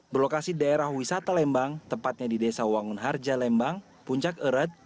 berlokasi daerah wisata lembang tepatnya di desa wangunharja lembang puncak erat